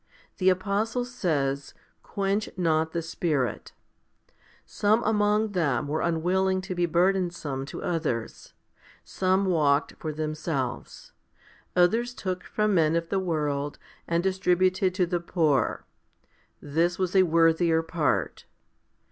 The apostle says, Quench not the Spirit. 1 Some among them were unwilling to be burdensome to others ; some walked for themselves ; others took from men of the world and distributed to the poor. This was a worthier part.